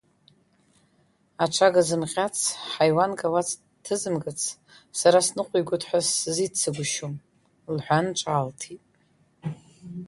Аҽага зымҟьац, ҳаиуанк ауац ҭызымгац, сара сныҟәигоит ҳәа сызиццагәышьом, – лҳәан ҿаалҭит.